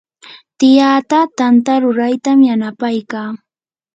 tiyaata tanta ruraytam yanapaykaa.